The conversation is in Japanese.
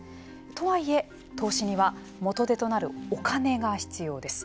とはいえ、投資には元手となるお金が必要です。